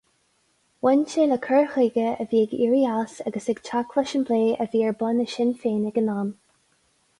Bhain sé le cur chuige a bhí ag éirí as agus ag teacht leis an bplé a bhí ar bun i Sinn Féin ag an am.